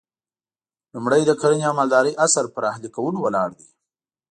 لومړی د کرنې او مالدارۍ عصر پر اهلي کولو ولاړ دی